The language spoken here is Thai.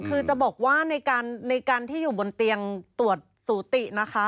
คือจะบอกว่าในการที่อยู่บนเตียงตรวจสูตินะคะ